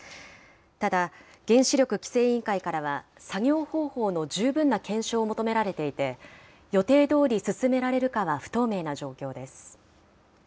ただ、原子力規制委員会からは、作業方法の十分な検証を求められていて、予定どおり進められるかは不透明な状況です。